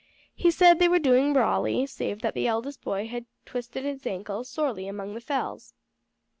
He said they were doing brawly, save that the eldest boy had twisted his ankle sorely among the fells."